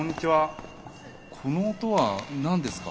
この音は何ですか？